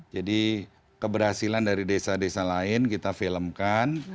jadi keberhasilan dari desa desa lain kita filmkan